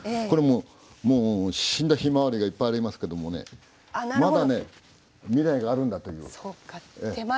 これもう死んだヒマワリがいっぱいありますけどもねまだね未来があるんだという。